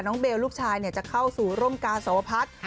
เบลลูกชายจะเข้าสู่ร่มกาสวพัฒน์